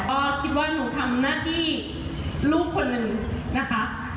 ก็คิดว่าหนูทำหน้าที่ลูกคนหนึ่งนะคะ